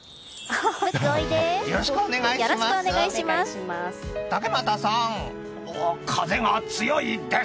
よろしくお願いします！